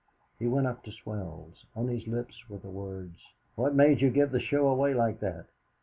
He went up to Swells. On his lips were the words: "What made you give the show away like that?"